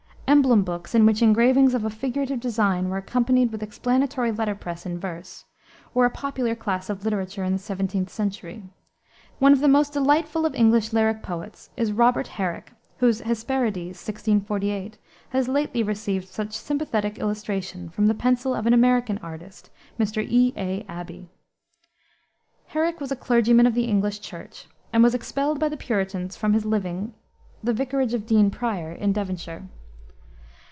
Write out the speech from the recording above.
Emblem books, in which engravings of a figurative design were accompanied with explanatory letterpress in verse, were a popular class of literature in the 17th century. The most famous of them all were Jacob Catt's Dutch emblems. One of the most delightful of English lyric poets is Robert Herrick, whose Hesperides, 1648 has lately received such sympathetic illustration from the pencil of an American artist, Mr. E. A. Abbey. Herrick was a clergyman of the English Church, and was expelled by the Puritans from his living, the vicarage of Dean Prior, in Devonshire.